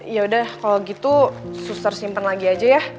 yaudah kalau gitu suster simpen lagi aja ya